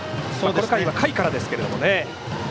この回は下位からですけれども。